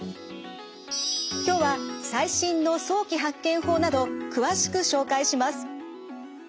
今日は最新の早期発見法など詳しく紹介します。